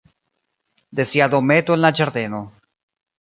De sia dometo en la ĝardeno.